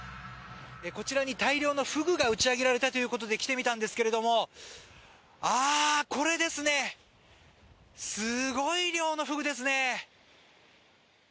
こちらに大量のフグが打ち上げられたということで来てみたんですが、これですねすごい量のフグですね。